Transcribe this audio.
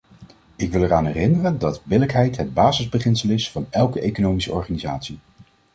Ik wil eraan herinneren dat billijkheid het basisbeginsel is van elke economische organisatie.